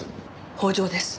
北条です。